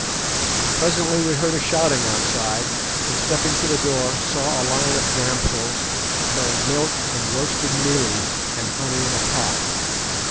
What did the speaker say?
Presently we heard a shouting outside, and stepping to the door, saw a line of damsels bearing milk and roasted mealies, and honey in a pot.